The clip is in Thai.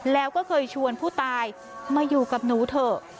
แล้วก็เคยชวนผู้ตายมาอยู่กับหนูเถอะ